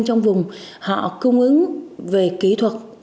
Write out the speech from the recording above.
trong vùng họ cung ứng về kỹ thuật